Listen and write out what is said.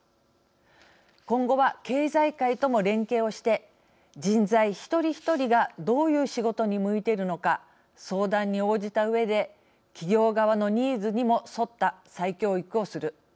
今後は、経済界とも連携をして人材、ひとりひとりがどういう仕事に向いているのか相談に応じたうえで企業側のニーズにも沿った再教育をする。